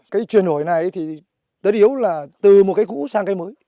cái chuyển đổi này thì đất yếu là từ một cây cũ sang cây mới